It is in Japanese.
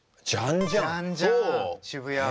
渋谷。